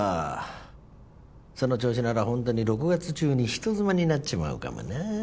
その調子なら本当に６月中に人妻になっちまうかもなあ。